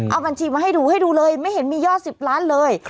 เอาบัญชีมาให้ดูไม่เห็นมีย่อ๑๐ล้านเลย